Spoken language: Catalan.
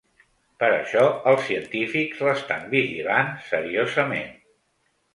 Per això, els científics l’estan vigilant “seriosament”.